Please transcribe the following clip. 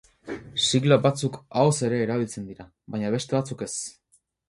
Sigla batzuk ahoz ere erabiltzen dira, baina beste batzuk ez.